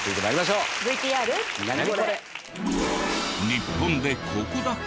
日本でここだけ！？